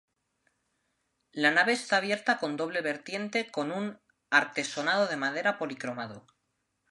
La nave está cubierta con doble vertiente con un artesonado de madera policromado.